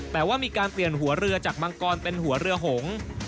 แต่ว่ามีการเปลี่ยนหัวเรือจากมังกรเป็นหัวเรือหง